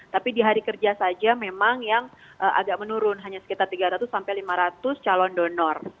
tapi di hari kerja saja memang yang agak menurun hanya sekitar tiga ratus sampai lima ratus calon donor